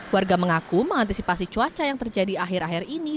warga mengaku mengantisipasi cuaca yang terjadi akhir akhir ini